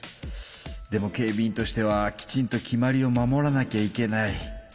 でも警備員としてはきちんと決まりを守らなきゃいけない。